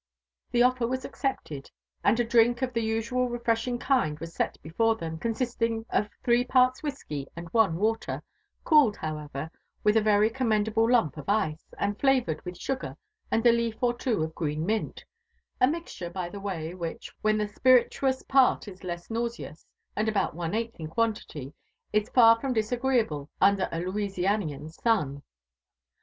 The offer was accepted, and a '* drink" of the usual refreshing kind was set before them, consisting of three parts whisky and one ^ater, cooled, however, with a very commendable lump'of ice, and flavoured" with sugar and a leaf or two of green mint : a mixture, by the way, which, when the spirituous part is less nauseous and about one eighth in quantity, is far from disagreeable under a Louisianian sun.